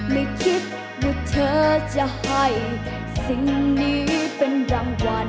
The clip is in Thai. ไม่คิดว่าเธอจะให้สิ่งนี้เป็นรางวัล